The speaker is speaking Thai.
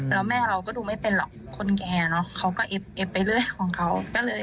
แล้วแม่เราก็ดูไม่เป็นหรอกคนแก่เนอะเขาก็เอ็บไปเรื่อยของเขาก็เลย